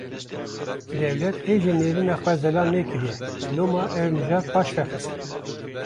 Dewlet hê jî nêrîna xwe zelal nekiriye, loma ev mijar paşve xistin